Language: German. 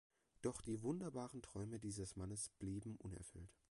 Doch die wunderbaren Träume dieses Mannes blieben unerfüllt.